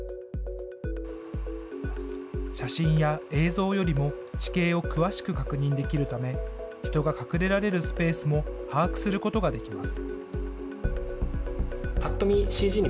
写真や映像よりも地形を詳しく確認できるため、人が隠れられるスペースも把握することができます。